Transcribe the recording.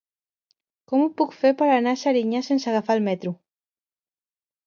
Com ho puc fer per anar a Serinyà sense agafar el metro?